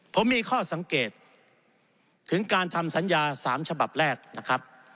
ผมมีข้อสังเกตถึงการทำสัญญา๓ฉบับแรกนะครับ